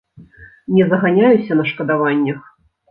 Не заганяюся на шкадаваннях.